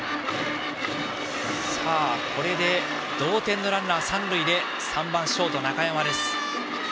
これで同点のランナー三塁で３番ショート、中山がバッターボックス。